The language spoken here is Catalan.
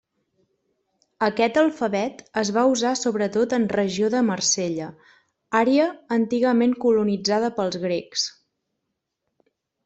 Aquest alfabet es va usar sobretot en regió de Marsella, àrea antigament colonitzada pels grecs.